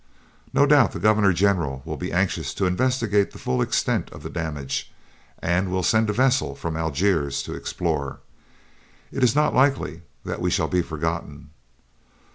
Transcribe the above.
No doubt the governor general will be anxious to investigate the full extent of the damage, and will send a vessel from Algiers to explore. It is not likely that we shall be forgotten.